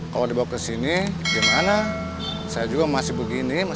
kalau dibawa ke kampung saya kasian ke anak saya di kampung mah susah jadi kerjaan